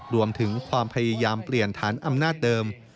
รวมถึงความพยายามเปลี่ยนฐานอำนาจเดิม